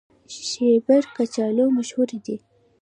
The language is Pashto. شیبر کچالو مشهور دي؟